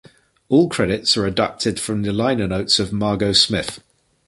All credits are adapted from the liner notes of "Margo Smith".